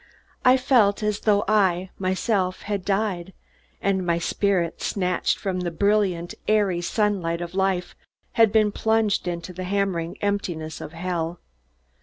I felt as though I, myself, had died and my spirit, snatched from the brilliant, airy sunlight of life, had been plunged into the hammering emptiness of hell.